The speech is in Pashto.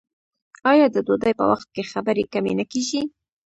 آیا د ډوډۍ په وخت کې خبرې کمې نه کیږي؟